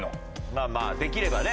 まあまあできればね